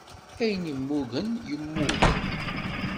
Ayen immugen, yemmug.